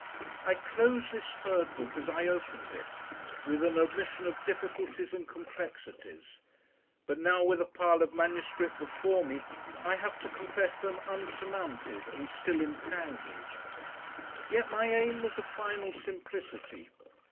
I close this Third Book as I opened it, with an admission of difficulties and complexities, but now with a pile of manuscript before me I have to confess them unsurmounted and still entangled. Yet my aim was a final simplicity.